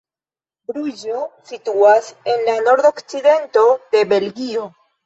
Bruĝo situas en la nordokcidento de Belgio.